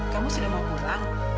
kamu sudah mau pulang